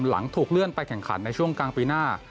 หลังถูกเลื่อนไปแข่งขันในช่วงกลางปีหน้า